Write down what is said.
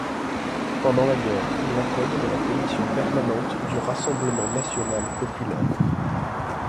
Pendant la guerre, il intègre la commission permanente du Rassemblement national populaire.